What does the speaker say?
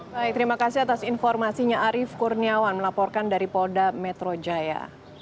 baik terima kasih atas informasinya arief kurniawan melaporkan dari polda metro jaya